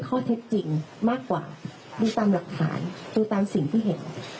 ข้อเท็จจริงมากกว่าดูตามหลักฐานดูตามสิ่งที่เห็น